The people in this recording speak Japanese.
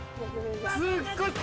すっごい。